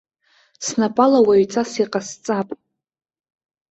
Снапала уаҩҵас иҟасҵап.